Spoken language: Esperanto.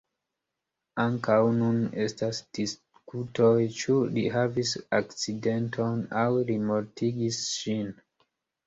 Ankaŭ nun estas diskutoj, ĉu li havis akcidenton, aŭ li mortigis sin?